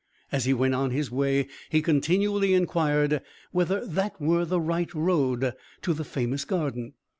As he went on his way, he continually inquired whether that were the right road to the famous garden.